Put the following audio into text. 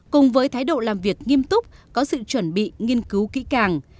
cùng với thái độ làm việc nghiêm túc có sự chuẩn bị nghiên cứu kỹ càng